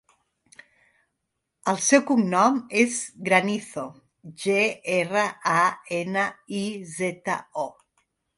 El seu cognom és Granizo: ge, erra, a, ena, i, zeta, o.